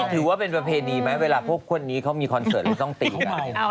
ถือว่าเป็นประเพณีไหมเวลาพวกคนนี้เขามีคอนเสิร์ตแล้วต้องตีกัน